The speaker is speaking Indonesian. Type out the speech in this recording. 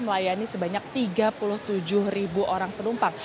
melayani sebanyak tiga puluh tujuh ribu orang penumpang